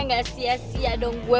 gak sia sia dong gue